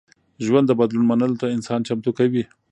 ژوند د بدلون منلو ته انسان چمتو کوي.